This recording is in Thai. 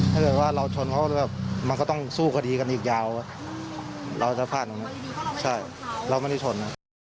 ถ้าเกิดว่าเราชนเขาแบบมันก็ต้องสู้คดีกันอีกยาวเราจะพลาดตรงนี้ใช่เราไม่ได้ชน